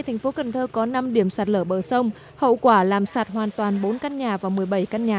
thành phố cần thơ có năm điểm sạt lở bờ sông hậu quả làm sạt hoàn toàn bốn căn nhà và một mươi bảy căn nhà